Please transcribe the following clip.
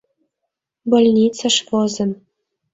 — Больницыш возын.